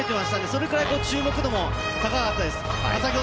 それくらい注目度が高かったです。